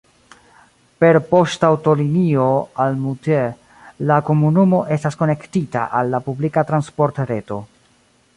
Per poŝtaŭtolinio al Moutier la komunumo estas konektita al la publika transportreto.